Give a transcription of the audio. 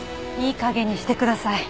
いいかげんにしてください